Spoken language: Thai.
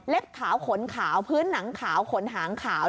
ขาวขนขาวพื้นหนังขาวขนหางขาว